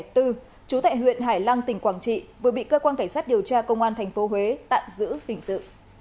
trú tại huyện hải lăng tỉnh quảng trị vừa bị cơ quan cảnh sát điều tra công an tp huế tạm giữ hình sự